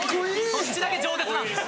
そっちだけ冗舌なんです。